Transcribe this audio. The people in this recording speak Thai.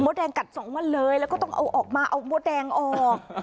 แดงกัดสองวันเลยแล้วก็ต้องเอาออกมาเอามดแดงออก